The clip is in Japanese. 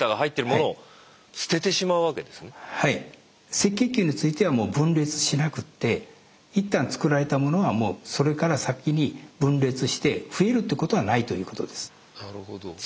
赤血球についてはもう分裂しなくって一旦作られたものはもうそれから先に分裂して増えるってことはないということです。